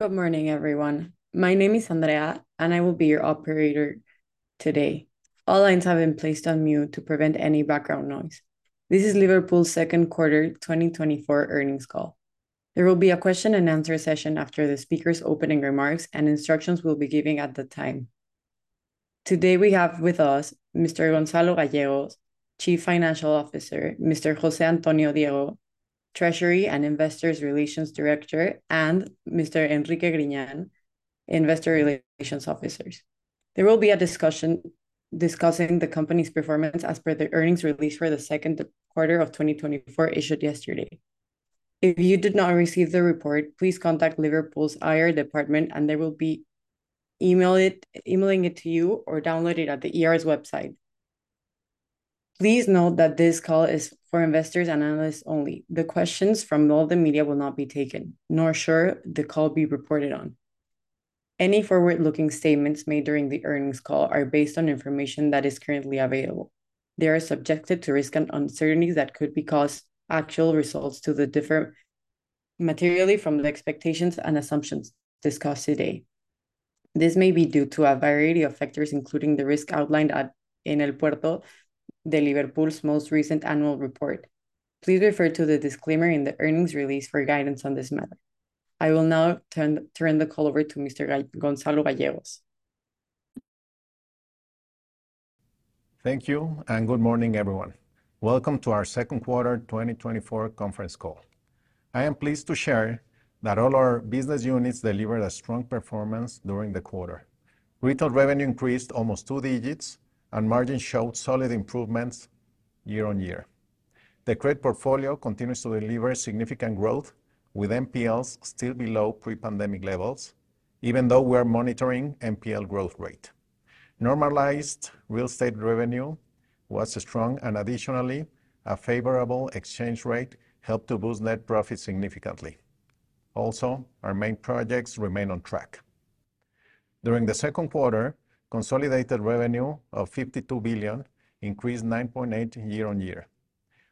Good morning, everyone. My name is Andrea, and I will be your operator today. All lines have been placed on mute to prevent any background noise. This is Liverpool's second quarter 2024 earnings call. There will be a question and answer session after the speaker's opening remarks, and instructions will be given at that time. Today we have with us Mr. Gonzalo Gallegos, Chief Financial Officer, Mr. José Antonio Diego, Treasury and Investor Relations Director, and Mr. Enrique Griñán, Investor Relations Officer. There will be a discussion discussing the company's performance as per the earnings release for the second quarter of 2024 issued yesterday. If you did not receive the report, please contact Liverpool's IR Department, and they will be emailing it to you or download it at the IR's website. Please note that this call is for investors and analysts only. The questions from all the media will not be taken, nor shall the call be reported on. Any forward-looking statements made during the earnings call are based on information that is currently available. They are subjected to risk and uncertainties that could cause actual results to differ materially from the expectations and assumptions discussed today. This may be due to a variety of factors, including the risk outlined in El Puerto de Liverpool's most recent annual report. Please refer to the disclaimer in the earnings release for guidance on this matter. I will now turn the call over to Mr. Gonzalo Gallegos. Thank you, and good morning, everyone. Welcome to our second quarter 2024 conference call. I am pleased to share that all our business units delivered a strong performance during the quarter. Retail revenue increased almost two digits, and margins showed solid improvements year-over-year. The credit portfolio continues to deliver significant growth, with NPLs still below pre-pandemic levels, even though we are monitoring NPL growth rate. Normalized real estate revenue was strong, and additionally, a favorable exchange rate helped to boost net profits significantly. Also, our main projects remain on track. During the second quarter, consolidated revenue of 52 billion increased 9.8% year-over-year.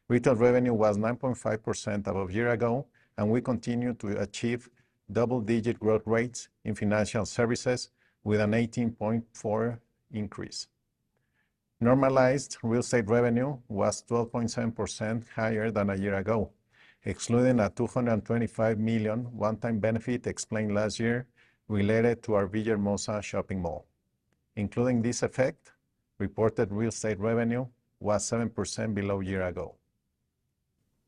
Retail revenue was 9.5% above a year ago, and we continue to achieve double-digit growth rates in financial services, with an 18.4% increase. Normalized real estate revenue was 12.7% higher than a year ago, excluding a 225 million one time benefit explained last year related to our Villahermosa shopping mall. Including this effect, reported real estate revenue was 7% below a year ago.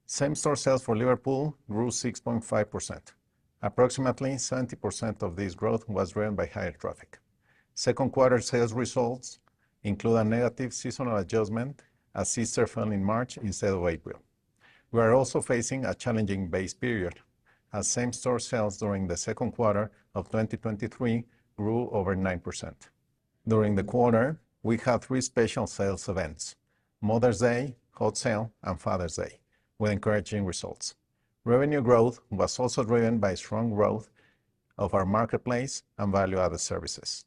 Same-store sales for Liverpool grew 6.5%. Approximately 70% of this growth was driven by higher traffic. Second quarter sales results include a negative seasonal adjustment as seen in March instead of April. We are also facing a challenging base period, as same-store sales during the second quarter of 2023 grew over 9%. During the quarter, we had three special sales events: Mother's Day, Hot Sale, and Father's Day, with encouraging results. Revenue growth was also driven by strong growth of our marketplace and value-added services.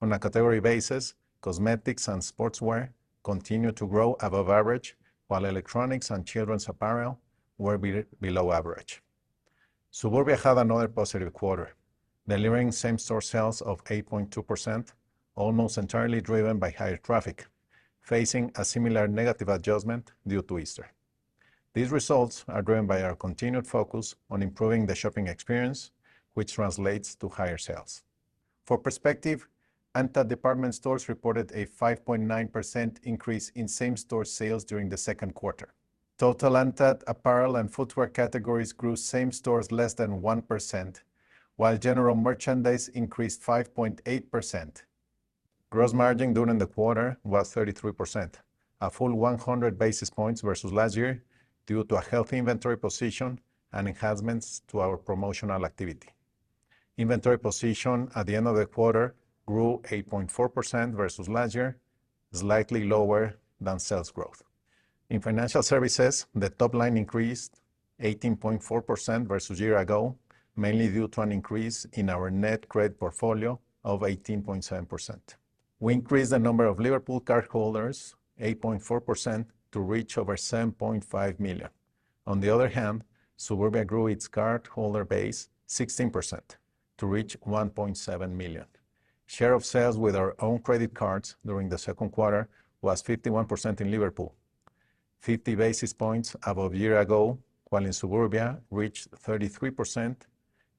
On a category basis, cosmetics and sportswear continued to grow above average, while electronics and children's apparel were below average. Suburbia had another positive quarter, delivering same-store sales of 8.2%, almost entirely driven by higher traffic, facing a similar negative adjustment due to Easter. These results are driven by our continued focus on improving the shopping experience, which translates to higher sales. For perspective, ANTAD department stores reported a 5.9% increase in same-store sales during the second quarter. Total ANTAD apparel and footwear categories grew same-store less than 1%, while general merchandise increased 5.8%. Gross margin during the quarter was 33%, a full 100 basis points versus last year due to a healthy inventory position and enhancements to our promotional activity. Inventory position at the end of the quarter grew 8.4% versus last year, slightly lower than sales growth. In financial services, the top line increased 18.4% versus a year ago, mainly due to an increase in our net credit portfolio of 18.7%. We increased the number of Liverpool cardholders 8.4% to reach over 7.5 million. On the other hand, Suburbia grew its cardholder base 16% to reach 1.7 million. Share of sales with our own credit cards during the second quarter was 51% in Liverpool, 50 basis points above a year ago, while in Suburbia reached 33%,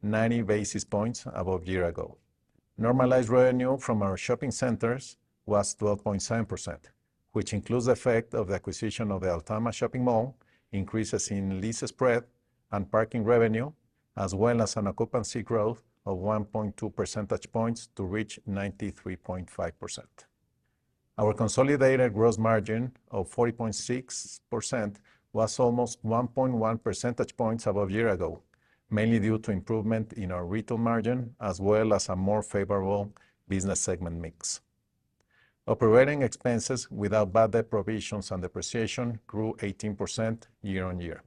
90 basis points above a year ago. Normalized revenue from our shopping centers was 12.7%, which includes the effect of the acquisition of the Altama shopping mall, increases in lease spread and parking revenue, as well as an occupancy growth of 1.2 percentage points to reach 93.5%. Our consolidated gross margin of 40.6% was almost 1.1 percentage points above a year ago, mainly due to improvement in our retail margin as well as a more favorable business segment mix. Operating expenses without bad debt provisions and depreciation grew 18% year-on-year.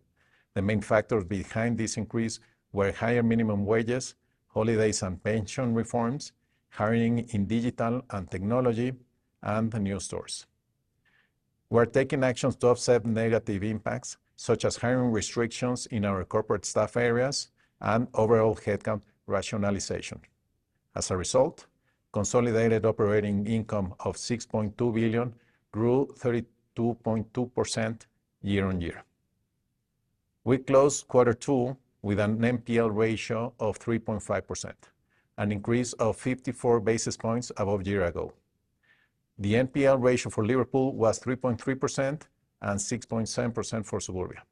The main factors behind this increase were higher minimum wages, holidays and pension reforms, hiring in digital and technology, and new stores. We are taking actions to offset negative impacts, such as hiring restrictions in our corporate staff areas and overall headcount rationalization. As a result, consolidated operating income of 6.2 billion grew 32.2% year-over-year. We closed quarter two with an NPL ratio of 3.5%, an increase of 54 basis points above a year ago. The NPL ratio for Liverpool was 3.3% and 6.7% for Suburbia.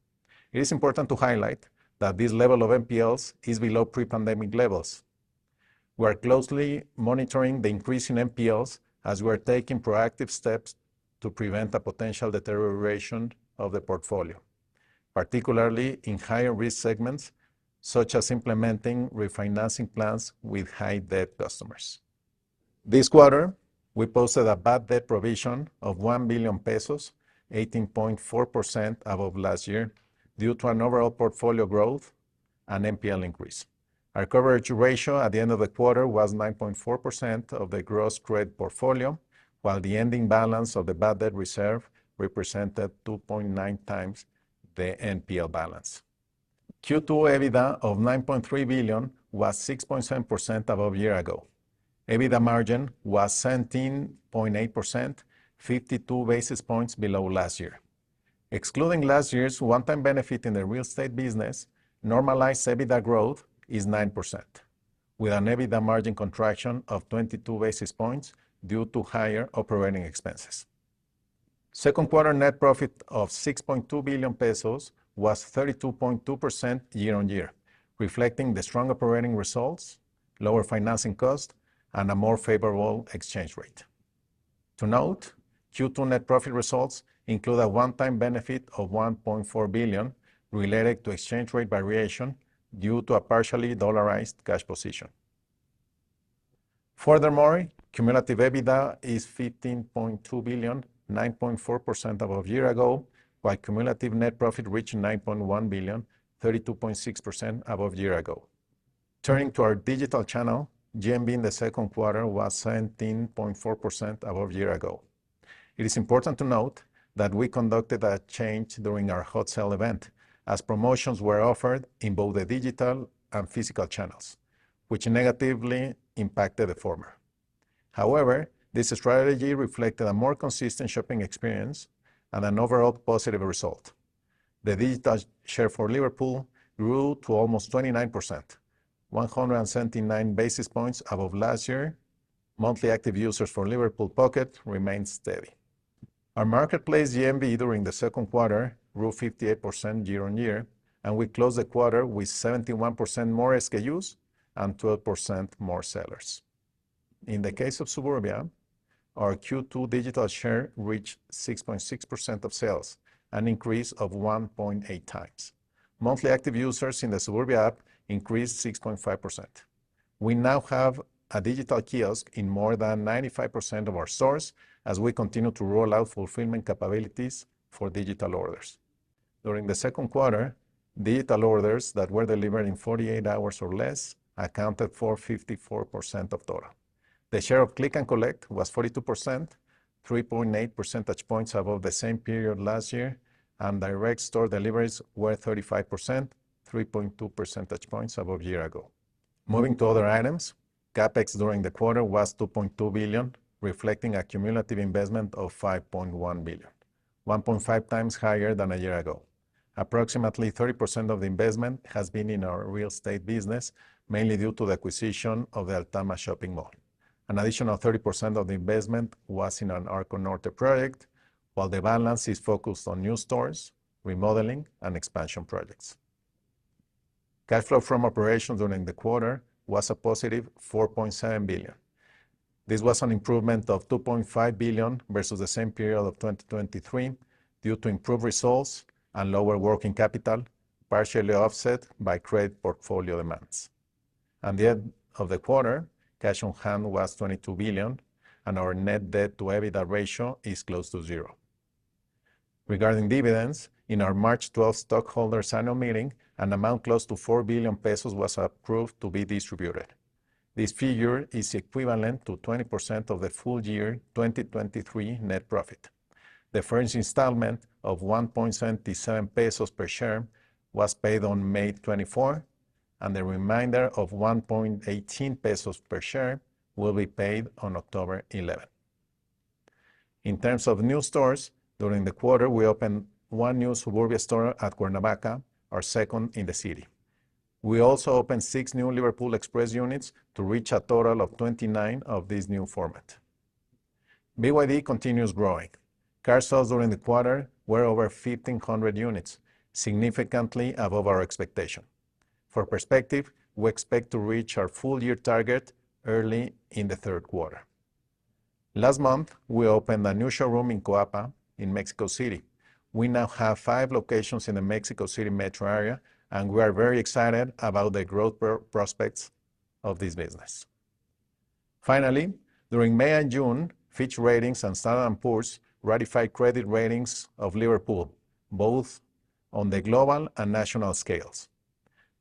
It is important to highlight that this level of NPLs is below pre-pandemic levels. We are closely monitoring the increase in NPLs as we are taking proactive steps to prevent a potential deterioration of the portfolio, particularly in higher-risk segments, such as implementing refinancing plans with high-debt customers. This quarter, we posted a bad debt provision of 1 billion pesos, 18.4% above last year, due to an overall portfolio growth and NPL increase. Our coverage ratio at the end of the quarter was 9.4% of the gross credit portfolio, while the ending balance of the bad debt reserve represented 2.9 times the NPL balance. Q2 EBITDA of 9.3 billion was 6.7% above a year ago. EBITDA margin was 17.8%, 52 basis points below last year. Excluding last year's one-time benefit in the real estate business, normalized EBITDA growth is 9%, with an EBITDA margin contraction of 22 basis points due to higher operating expenses. Second quarter net profit of 6.2 billion pesos was 32.2% year-on-year, reflecting the strong operating results, lower financing costs, and a more favorable exchange rate. To note, Q2 net profit results include a one-time benefit of 1.4 billion related to exchange rate variation due to a partially dollarized cash position. Furthermore, cumulative EBITDA is 15.2 billion, 9.4% above a year ago, while cumulative net profit reached 9.1 billion, 32.6% above a year ago. Turning to our digital channel, GMV in the second quarter was 17.4% above a year ago. It is important to note that we conducted a change during our Hot Sale, as promotions were offered in both the digital and physical channels, which negatively impacted the former. However, this strategy reflected a more consistent shopping experience and an overall positive result. The digital share for Liverpool grew to almost 29%, 179 basis points above last year. Monthly active users for Liverpool Pocket remained steady. Our marketplace GMV during the second quarter grew 58% year-over-year, and we closed the quarter with 71% more SKUs and 12% more sellers. In the case of Suburbia, our Q2 digital share reached 6.6% of sales, an increase of 1.8x. Monthly active users in the Suburbia app increased 6.5%. We now have a digital kiosk in more than 95% of our stores, as we continue to roll out fulfillment capabilities for digital orders. During the second quarter, digital orders that were delivered in 48 hours or less accounted for 54% of total. The share of click and collect was 42%, 3.8 percentage points above the same period last year, and direct store deliveries were 35%, 3.2 percentage points above a year ago. Moving to other items, CAPEx during the quarter was 2.2 billion, reflecting a cumulative investment of 5.1 billion, 1.5x higher than a year ago. Approximately 30% of the investment has been in our real estate business, mainly due to the acquisition of the Altama shopping mall. An additional 30% of the investment was in an Arco Norte project, while the balance is focused on new stores, remodeling, and expansion projects. Cash flow from operations during the quarter was a positive 4.7 billion. This was an improvement of 2.5 billion versus the same period of 2023 due to improved results and lower working capital, partially offset by credit portfolio demands. At the end of the quarter, cash on hand was 22 billion, and our net debt-to-EBITDA ratio is close to zero. Regarding dividends, in our March 12th stockholders' annual meeting, an amount close to 4 billion pesos was approved to be distributed. This figure is equivalent to 20% of the full year 2023 net profit. The first installment of 1.77 pesos per share was paid on May 24, and the remainder of 1.18 pesos per share will be paid on October 11. In terms of new stores, during the quarter, we opened one new Suburbia store at Cuernavaca, our second in the city. We also opened six new Liverpool Express units to reach a total of 29 of this new format. BYD continues growing. Car sales during the quarter were over 1,500 units, significantly above our expectation. For perspective, we expect to reach our full-year target early in the third quarter. Last month, we opened a new showroom in Coapa in Mexico City. We now have five locations in the Mexico City metro area, and we are very excited about the growth prospects of this business. Finally, during May and June, Fitch Ratings and S&P Global Ratings ratified credit ratings of Liverpool, both on the global and national scales.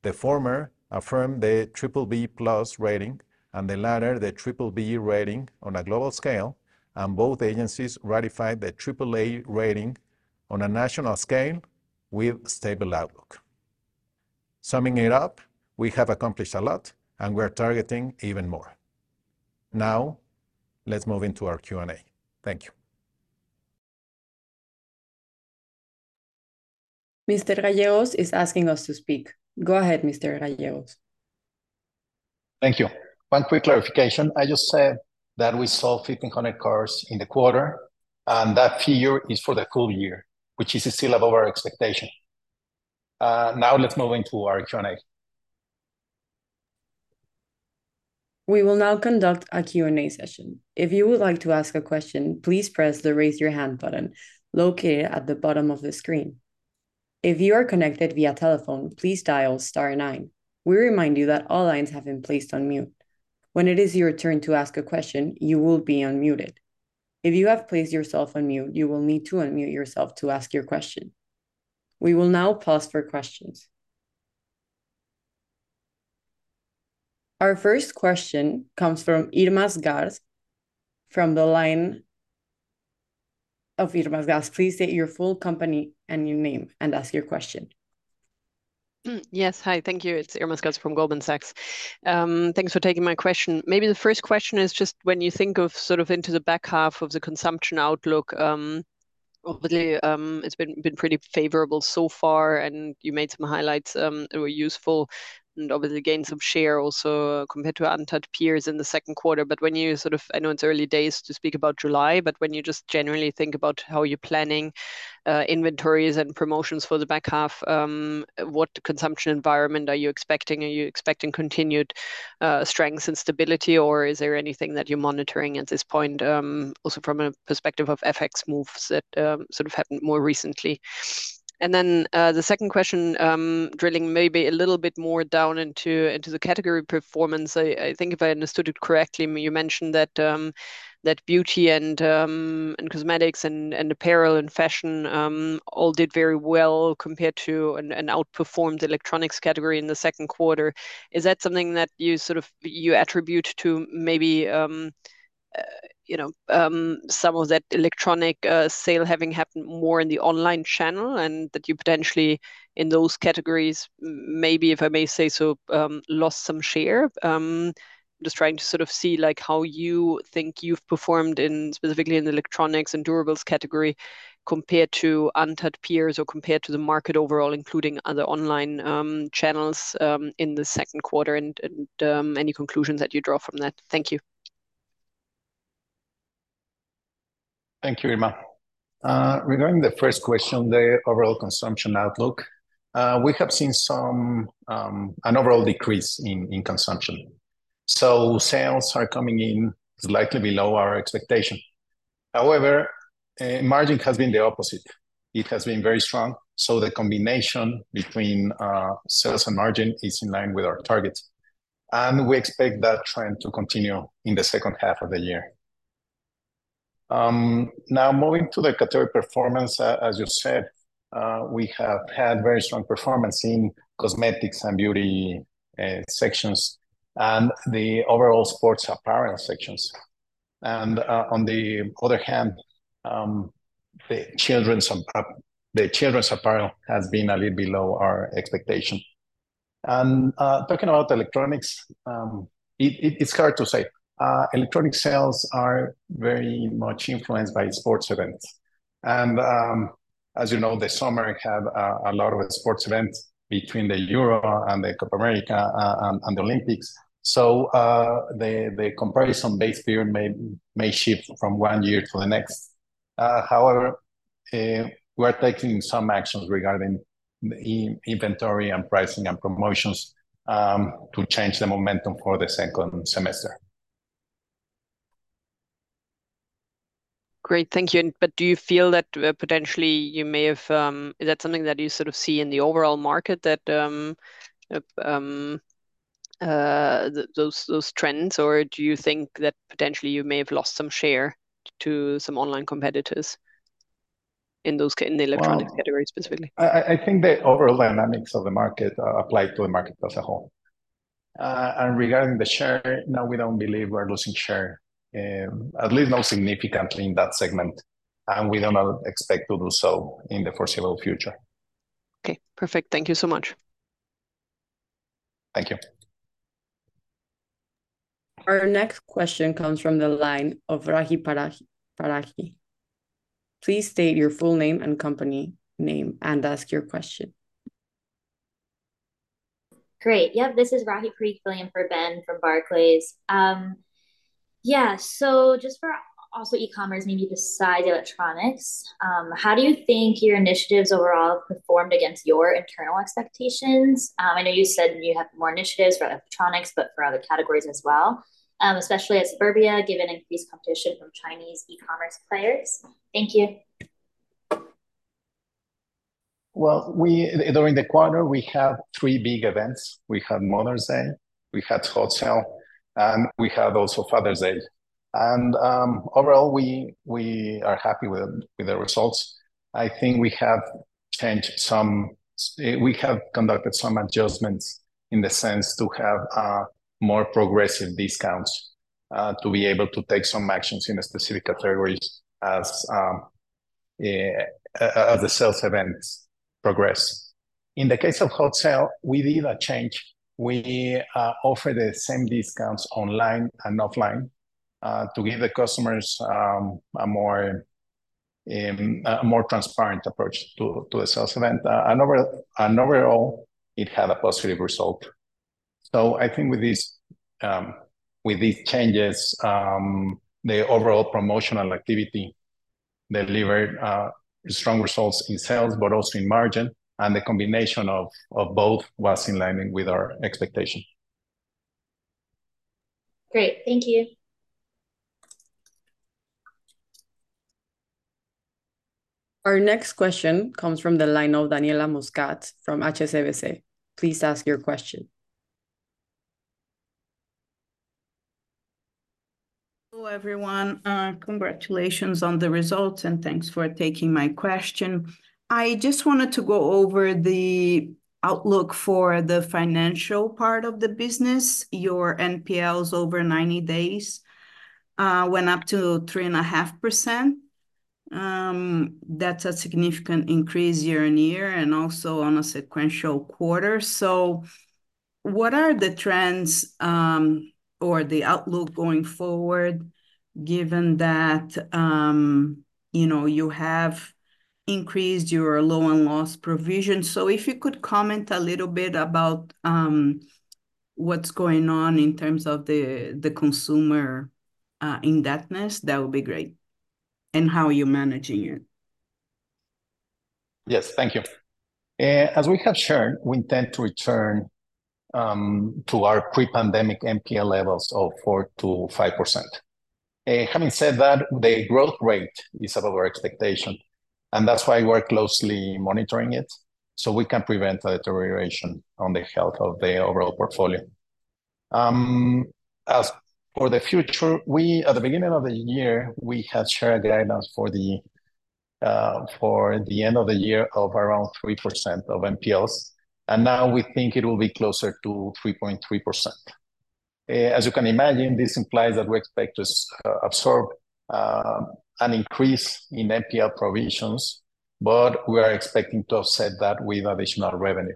The former affirmed the BBB+ rating, and the latter the BBB rating on a global scale, and both agencies ratified the AAA rating on a national scale with stable outlook. Summing it up, we have accomplished a lot, and we are targeting even more. Now, let's move into our Q and A. Thank you. Mr. Gallegos is asking us to speak. Go ahead, Mr. Gallegos. Thank you. One quick clarification. I just said that we sold 1,500 cars in the quarter, and that figure is for the full year, which is still above our expectation. Now, let's move into our Q and A. We will now conduct a Q and A session. If you would like to ask a question, please press the Raise Your Hand button located at the bottom of the screen. If you are connected via telephone, please dial star nine. We remind you that all lines have been placed on mute. When it is your turn to ask a question, you will be unmuted. If you have placed yourself on mute, you will need to unmute yourself to ask your question. We will now pause for questions. Our first question comes from Irma Sgarz from the line of Irma Sgarz. Please state your full company and your name and ask your question. Yes. Hi. Thank you. It's Irma Sgarz from Goldman Sachs. Thanks for taking my question. Maybe the first question is just when you think of sort of into the back half of the consumption outlook, obviously, it's been pretty favorable so far, and you made some highlights that were useful and obviously gained some share also compared to ANTAD peers in the second quarter. But when you sort of, I know it's early days to speak about July, but when you just generally think about how you're planning inventories and promotions for the back half, what consumption environment are you expecting? Are you expecting continued strength and stability, or is there anything that you're monitoring at this point, also from a perspective of FX moves that sort of happened more recently? And then the second question drilling maybe a little bit more down into the category performance. I think if I understood it correctly, you mentioned that beauty and cosmetics and apparel and fashion all did very well compared to an outperformed electronics category in the second quarter. Is that something that you sort of attribute to maybe some of that electronic sale having happened more in the online channel and that you potentially, in those categories, maybe, if I may say so, lost some share? I'm just trying to sort of see how you think you've performed specifically in the electronics and durables category compared to ANTAD peers or compared to the market overall, including other online channels in the second quarter and any conclusions that you draw from that. Thank you. Thank you, Irma. Regarding the first question, the overall consumption outlook, we have seen an overall decrease in consumption. So sales are coming in slightly below our expectation. However, margin has been the opposite. It has been very strong. So the combination between sales and margin is in line with our target. And we expect that trend to continue in the second half of the year. Now, moving to the category performance, as you said, we have had very strong performance in cosmetics and beauty sections and the overall sports apparel sections. And on the other hand, the children's apparel has been a little below our expectation. And talking about electronics, it's hard to say. Electronic sales are very much influenced by sports events. And as you know, the summer has a lot of sports events between the Euro and the Copa America and the Olympics. So the comparison base period may shift from one year to the next. However, we are taking some actions regarding inventory and pricing and promotions to change the momentum for the second semester. Great. Thank you. Do you feel that potentially you may have? Is that something that you sort of see in the overall market, those trends, or do you think that potentially you may have lost some share to some online competitors in the electronics category specifically? I think the overall dynamics of the market apply to the market as a whole. And regarding the share, no, we don't believe we're losing share, at least not significantly in that segment. And we don't expect to do so in the foreseeable future. Okay. Perfect. Thank you so much. Thank you. Our next question comes from the line of Rahi Parikh. Please state your full name and company name and ask your question. Great. Yep. This is Rahi Parikh for Ben from Barclays. Yeah. So just for also e-commerce, maybe besides electronics, how do you think your initiatives overall have performed against your internal expectations? I know you said you have more initiatives for electronics, but for other categories as well, especially at Suburbia, given increased competition from Chinese e-commerce players. Thank you. Well, during the quarter, we have three big events. We had Mother's Day, we had Hot Sale, and we had also Father's Day. Overall, we are happy with the results. I think we have changed some—we have conducted some adjustments in the sense to have more progressive discounts to be able to take some actions in the specific categories as the sales events progress. In the case of Hot Sale, we did a change. We offered the same discounts online and offline to give the customers a more transparent approach to the sales event. Overall, it had a positive result. So I think with these changes, the overall promotional activity delivered strong results in sales, but also in margin, and the combination of both was in line with our expectation. Great. Thank you. Our next question comes from the line of Daniela Muñoz from HSBC. Please ask your question. Hello, everyone. Congratulations on the results, and thanks for taking my question. I just wanted to go over the outlook for the financial part of the business. Your NPLs over 90 days went up to 3.5%. That's a significant increase year-over-year and also quarter-over-quarter. So what are the trends or the outlook going forward, given that you have increased your loan loss provision? So if you could comment a little bit about what's going on in terms of the consumer indebtedness, that would be great. And how are you managing it? Yes. Thank you. As we have shared, we intend to return to our pre-pandemic NPL levels of 4%-5%. Having said that, the growth rate is above our expectation, and that's why we are closely monitoring it so we can prevent deterioration on the health of the overall portfolio. As for the future, at the beginning of the year, we had shared guidance for the end of the year of around 3% of NPLs. Now we think it will be closer to 3.3%. As you can imagine, this implies that we expect to absorb an increase in NPL provisions, but we are expecting to offset that with additional revenue.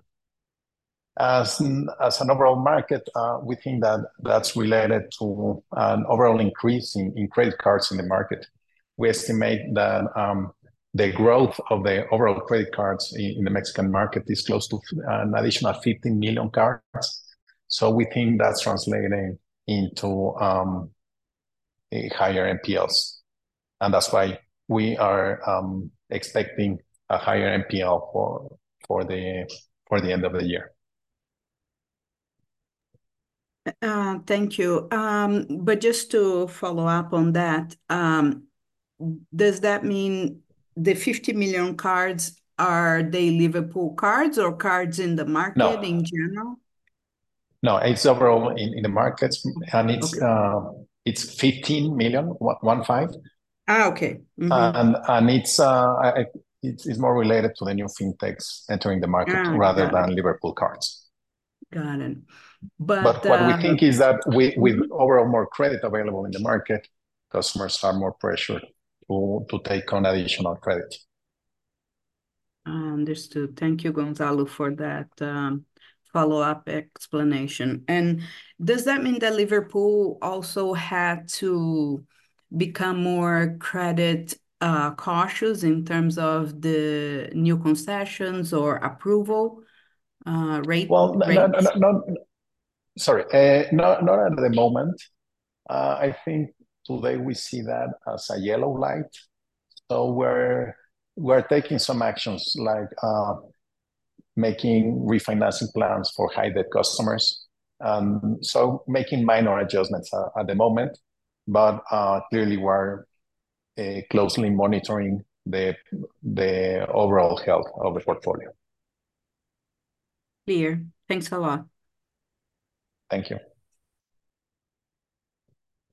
As an overall market, we think that that's related to an overall increase in credit cards in the market. We estimate that the growth of the overall credit cards in the Mexican market is close to an additional 15 million cards. So we think that's translating into higher NPLs. And that's why we are expecting a higher NPL for the end of the year. Thank you. But just to follow up on that, does that mean the 50 million cards, are they Liverpool cards or cards in the market in general? No. It's overall in the markets. And it's 15 million, 1.5. And it's more related to the new fintechs entering the market rather than Liverpool cards. Got it. What we think is that with overall more credit available in the market, customers are more pressured to take on additional credit. Understood. Thank you, Gonzalo, for that follow-up explanation. And does that mean that Liverpool also had to become more credit cautious in terms of the new concessions or approval rate? Sorry. Not at the moment. I think today we see that as a yellow light. So we're taking some actions like making refinancing plans for high-debt customers. And so making minor adjustments at the moment, but clearly we're closely monitoring the overall health of the portfolio. Clear. Thanks a lot. Thank you.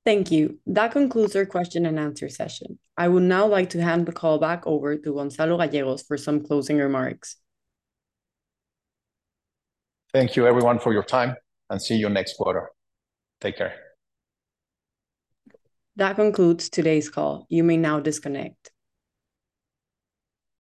Thank you. That concludes our question and answer session. I would now like to hand the call back over to Gonzalo Gallegos for some closing remarks. Thank you, everyone, for your time, and see you next quarter. Take care. That concludes today's call. You may now disconnect.